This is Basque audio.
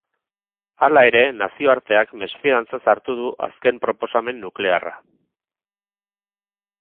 Hala ere, nazioarteak mesfidantzaz hartu du azken proposamen nuklearra.